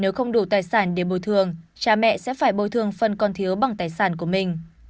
nếu không đủ tài sản để bồi thương cha mẹ sẽ phải bồi thương phân con thiếu bằng tài sản của mình